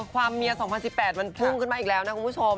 ความเมีย๒๐๑๘มันพุ่งขึ้นมาอีกแล้วนะคุณผู้ชม